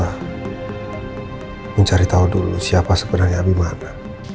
abi bisa mencari tahu dulu siapa sebenarnya abi mana